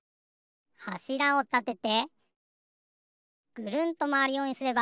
はしらをたててぐるんとまわるようにすれば。